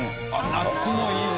夏もいいね。